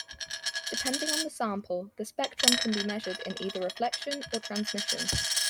Depending on the sample, the spectrum can be measured in either reflection or transmission.